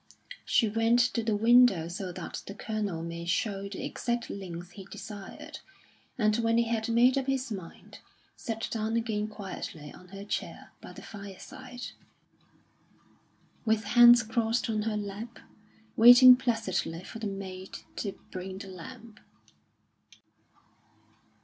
She went to the window so that the Colonel might show the exact length he desired; and when he had made up his mind, sat down again quietly on her chair by the fireside, with hands crossed on her lap, waiting placidly for the maid to bring the lamp.